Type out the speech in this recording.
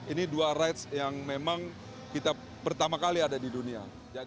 ini dua rights yang memang kita pertama kali ada di dunia